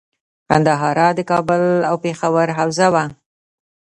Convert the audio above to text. ګندهارا د کابل او پیښور حوزه وه